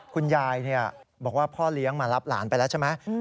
คุณยายบอกว่าพ่อเลี้ยงมารับหลานไปแล้วใช่ไหม